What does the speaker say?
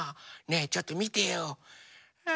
ねえちょっとみてよ！え？